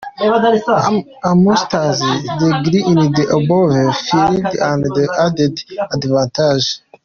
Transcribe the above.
A master’s degree in the above fields is an added advantage.